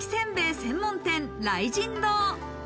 専門店、雷神堂。